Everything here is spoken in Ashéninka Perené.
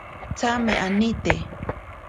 Tsame anite.